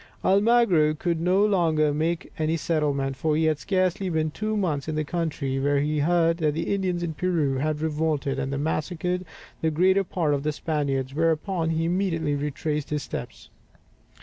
Almagro could make no settlement, for he had scarcely been two months in the country when he heard that the Indians in Peru had revolted, and massacred the greater part of the Spaniards, whereupon he immediately retraced his steps.